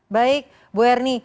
baik bu erni